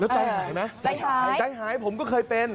ใจหายผมก็เคยเป็น